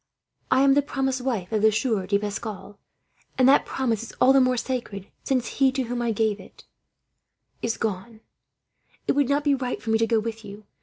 I am the promised wife of the Sieur de Pascal, and that promise is all the more sacred, since he to whom I gave it," and she paused "is gone. It would not be right for me to go with you.